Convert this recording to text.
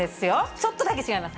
ちょっとだけ違います。